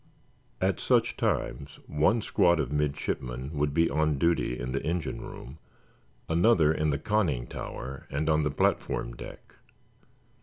At such times one squad of midshipmen would be on duty in the engine room, another in the conning tower and on the platform deck.